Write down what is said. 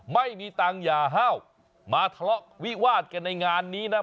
ไม่มีตังค์อย่าห้าวมาทะเลาะวิวาดกันในงานนี้นะ